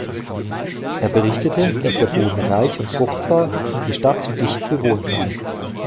Er berichtete, dass der Boden reich und fruchtbar und die Stadt dicht bewohnt sei.